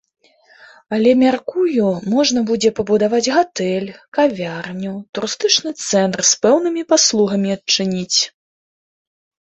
Але мяркую, можна будзе пабудаваць гатэль, кавярню, турыстычны цэнтр з пэўнымі паслугамі адчыніць.